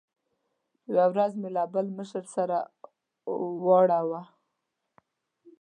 یوه ورځ مې له بل مشر سره واړاوه.